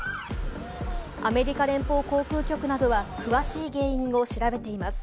アメリカ連邦航空局などは詳しい原因を調べています。